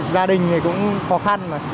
gia đình cũng khó khăn